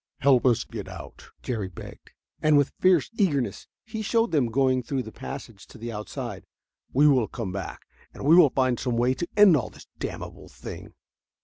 "Help us to get out," Jerry begged, and with fierce eagerness he showed them going through the passage to the outside. "We will come back, and we will find some way to end all this damnable thing."